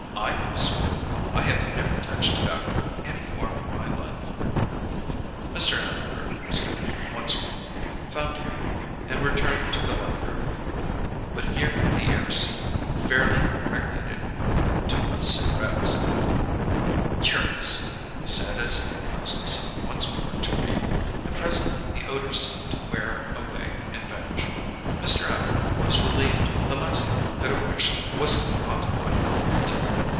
"I don't smoke. I have never touched tobacco in any form in my life." Mr. Atwater sniffed once more, found purity; and returned to the library. But here the air seemed faintly impregnated with Orduma cigarettes. "Curious!" he said as he composed himself once more to read and presently the odour seemed to wear away and vanish. Mr. Atwater was relieved; the last thing he could have wished was to be haunted by Noble Dill.